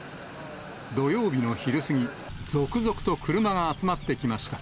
土曜日の昼過ぎ、続々と車が集まってきました。